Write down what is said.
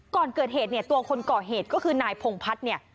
ก่อนเกิดเหตุตัวคนก่อเหตุก็คือนายพงภัณฑ์